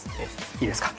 いいですか？